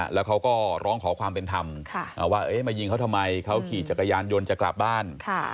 แล้วเขาก็ร้องขอความเป็นธรรมว่ามายิงเขาทำไมเขาขี่จักรยานยนต์จะกลับบ้าน